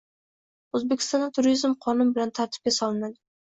O‘zbekistonda turizm qonun bilan tartibga solinadi